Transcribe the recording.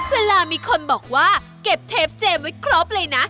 เวลามีคนบอกว่าเก็บเทปเจมส์ไว้ครบเลยนะ